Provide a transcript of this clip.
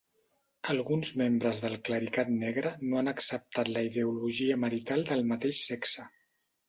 Alguns membres del clericat negre no han acceptat la ideologia marital del mateix sexe.